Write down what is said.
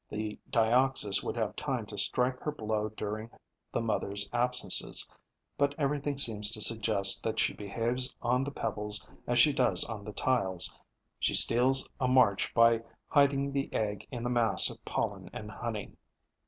The Dioxys would have time to strike her blow during the mother's absences; but everything seems to suggest that she behaves on the pebbles as she does on the tiles. She steals a march by hiding the egg in the mass of pollen and honey.